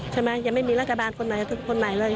ใช่ไหมยังไม่มีรัฐบาลคนไหนเลย